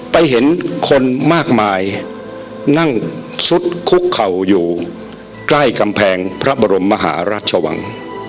ไปเห็นคนมากมายนั่งซุดคุกเข่าอยู่ใกล้กำแพงพระบรมมหาราชวัง